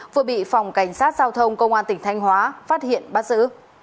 vừa bị phòng cảnh sát giao thông công an tỉnh thanh hóa phát hiện bắt giữ